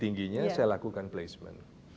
tingginya saya lakukan placement